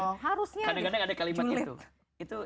nah ini kan kadang kadang ada kalimat itu